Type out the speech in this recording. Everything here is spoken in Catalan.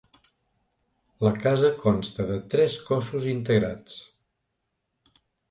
La casa consta de tres cossos integrats.